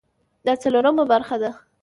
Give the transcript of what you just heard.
دا څلورمه برخه ده